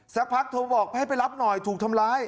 สักพักโทรบอกให้ไปรับหน่อยถูกทำร้าย